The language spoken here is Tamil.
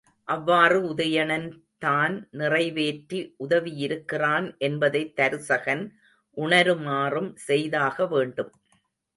அவ்வாறு உதயணன்தான் நிறைவேற்றி உதவியிருக்கிறான் என்பதைத் தருசகன் உணருமாறும் செய்தாக வேண்டும்.